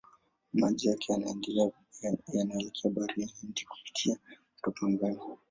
Maji yake yanaelekea Bahari ya Hindi kupitia mto Pangani.